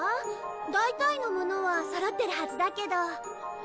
大体のものはそろってるはずだけど。